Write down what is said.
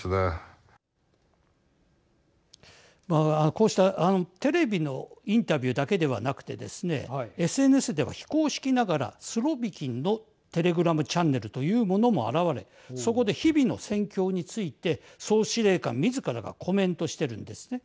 こうしたテレビのインタビューだけではなくてですねＳＮＳでは非公式ながらスロビキンのテレグラムチャンネルというものも現れそこで日々の戦況について総司令官みずからがコメントしているんですね。